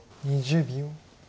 ２０秒。